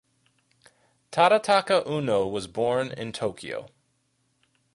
Tadataka Unno was born in Tokyo.